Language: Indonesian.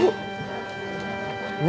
bu lanjut lagi bu